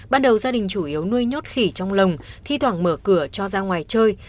ban đầu gia đình chủ yếu nuôi nhốt khỉ trong lồng thi thoảng mở cửa cho ra ngoài chơi